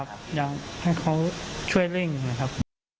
ครับอยากให้เขาช่วยเล่นอย่างนี้ครับ